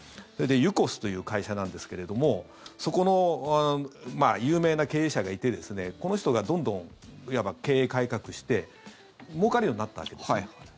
それで、ユーコスという会社なんですけれどもそこの有名な経営者がいてこの人がどんどん、いわば経営改革してもうかるようになったんですね。